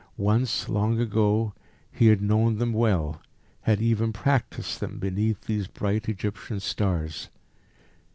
Once, long ago, he had known them well; had even practised them beneath these bright Egyptian stars.